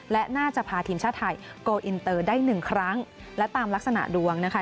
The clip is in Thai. และน่าจะพาทีมชาติไทยโกลอินเตอร์ได้หนึ่งครั้งและตามลักษณะดวงนะคะ